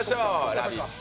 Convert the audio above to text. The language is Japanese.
「ラヴィット！」